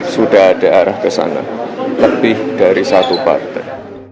sudah ada arah ke sana lebih dari satu partai